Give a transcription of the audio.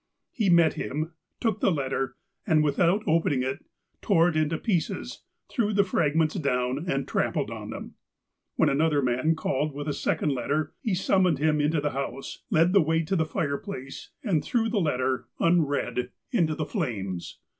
He met him, took the letter, and, without open ing it, tore it into pieces, threw the fragments down, and trampled on them. When another man called with a second letter, he sum moned him into the house, led the way to the fireplace, and threw the letter, unread, into the flames.